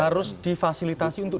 harus difasilitasi untuk